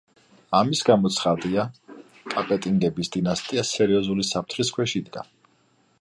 ამის გამო, ცხადია კაპეტინგების დინასტია სერიოზული საფრთხის ქვეშ იდგა.